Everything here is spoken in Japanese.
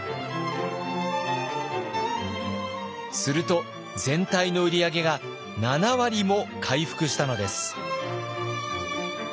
すると全体の売り上げが７割も回復したのです。